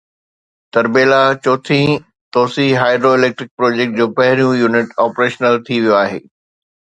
تربيلا چوٿين توسيع hydro electric project جو پهريون يونٽ آپريشنل ٿي ويو آهي